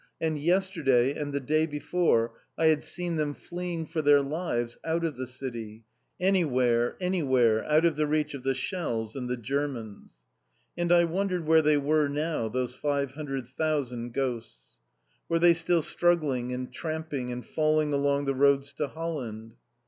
And yesterday, and the day before, I had seen them fleeing for their lives out of the city anywhere, anywhere, out of the reach of the shells and the Germans. And I wondered where they were now, those five hundred thousand ghosts. Were they still struggling and tramping and falling along the roads to Holland?